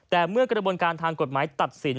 แต่เมื่อกระบวนการทางกฎหมายตัดสิน